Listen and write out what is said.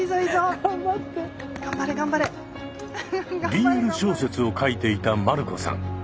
ＢＬ小説を書いていた丸子さん。